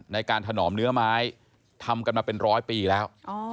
ถนอมเนื้อไม้ทำกันมาเป็นร้อยปีแล้ว